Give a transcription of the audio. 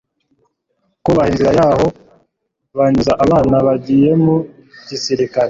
kubaha inzira y'aho banyuza abana bagiye mu gisirikare